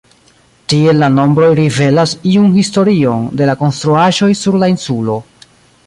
Tiel la nombroj rivelas iun historion de la konstruaĵoj sur la insulo.